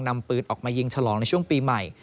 นำปืนออกมายิงฉลองในช่วงปีใหม่